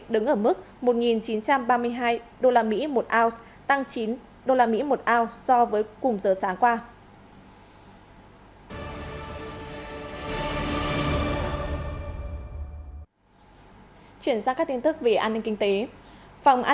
đây là một nỗ lực rất là lớn